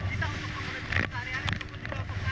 kita untuk memulai perjalanan hari hari